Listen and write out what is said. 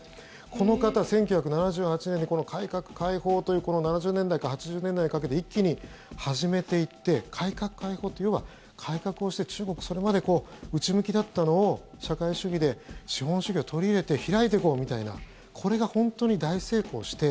この方１９７８年に改革開放という７０年代から８０年代にかけて一気に始めていって改革開放って、要は改革をして中国がそれまで内向きだったのを社会主義で資本主義を取り入れて開いていこうみたいなこれが本当に大成功して。